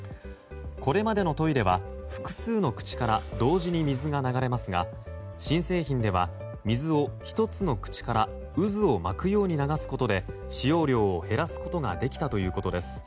これまでのトイレは複数の口から同時に水が流れますが新製品では水を、１つの口から渦を巻くように流すことで使用量を減らすことができたということです。